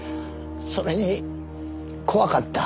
それに怖かった。